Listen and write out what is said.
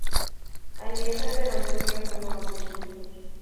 aliyetajwa na bunge kama waziri mkuu